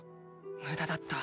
無駄だった。